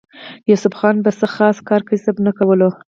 يوسف خان به څۀ خاص کار کسب نۀ کولو